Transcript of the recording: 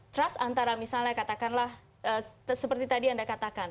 trust antara misalnya katakanlah seperti tadi anda katakan